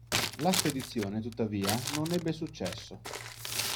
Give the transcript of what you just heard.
La spedizione tuttavia non ebbe successo.